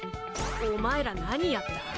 お前らなにやった？